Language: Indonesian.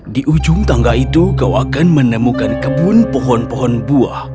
di ujung tangga itu kau akan menemukan kebun pohon pohon buah